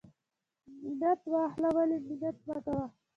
ـ منت واخله ولی منت مکوه.